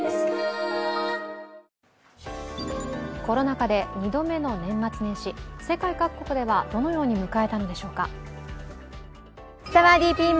コロナ禍で２度目の年末年始、世界各国ではどのように迎えたのでしょうか。